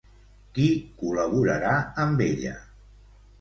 Qui col·laborarà amb ella?